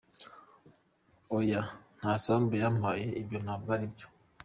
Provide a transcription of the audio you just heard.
B: Oya nta sambu yampaye, ibyo ntabwo ari byo.